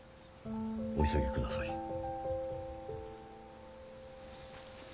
お急ぎください。